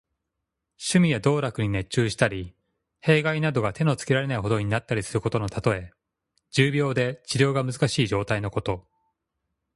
趣味や道楽に熱中したり、弊害などが手のつけられないほどになったりすることのたとえ。重病で治療が難しい状態のこと。